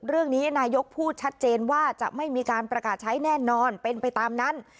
เรื่องนี้นายกพูดชัดเจนว่าจะไม่มีการประกาศใช้แน่นอนเป็นไปตามนั้น